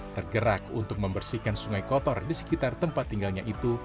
tergerak untuk membersihkan sungai kotor di sekitar tempat tinggalnya itu